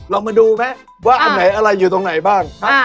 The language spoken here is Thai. ลองมาดูไหมว่าอันไหนอะไรอยู่ตรงไหนบ้าง